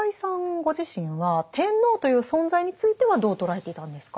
ご自身は天皇という存在についてはどう捉えていたんですか？